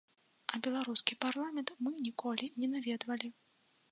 А беларускі парламент мы ніколі не наведвалі.